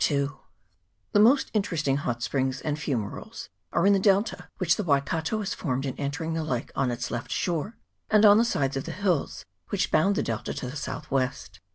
339 x The most interesting hot springs and fumeroles are in the delta which the Waikato has formed in entering the lake on its left shore, and on the sides of the hills which hound the delta to the south west.